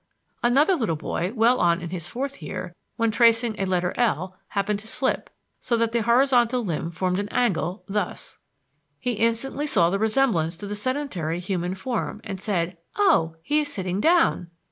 Another little boy well on in his fourth year, when tracing a letter L, happened to slip, so that the horizontal limb formed an angle, thus: ||++| He instantly saw the resemblance to the sedentary human form, and said: 'Oh, he's sitting down.'